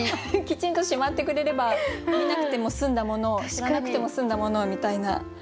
きちんとしまってくれれば見なくても済んだものを知らなくても済んだものをみたいな。